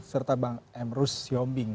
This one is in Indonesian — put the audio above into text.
serta bang emrus syombing